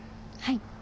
はい。